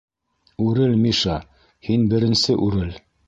— Үрел, Миша, һин беренсе үрел.